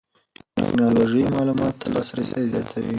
ټکنالوژي معلوماتو ته لاسرسی زیاتوي.